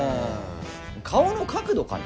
顔の角度かな？